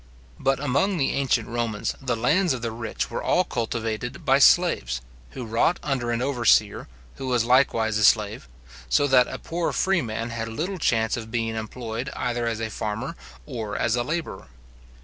But among the ancient Romans, the lands of the rich were all cultivated by slaves, who wrought under an overseer, who was likewise a slave; so that a poor freeman had little chance of being employed either as a farmer or as a labourer.